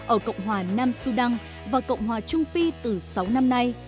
ở cộng hòa nam sudan và cộng hòa trung phi từ sáu năm nay